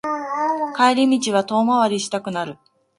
帰り道は遠回りしたくなる